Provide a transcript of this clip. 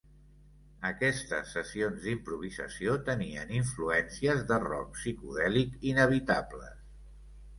Aquestes sessions d'improvisació tenien influències de roc psicodèlic inevitables.